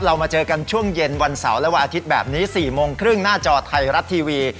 มาเจอกันช่วงเย็นวันเสาร์และวันอาทิตย์แบบนี้๔โมงครึ่งหน้าจอไทยรัฐทีวี